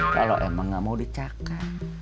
kalau emang nggak mau dicaka